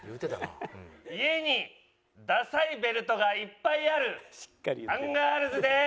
家にダサいベルトがいっぱいあるアンガールズです。